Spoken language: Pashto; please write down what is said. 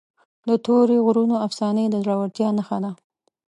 د تورې غرونو افسانې د زړورتیا نښه ده.